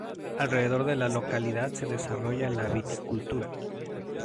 Alrededor de la localidad se desarrolla la viticultura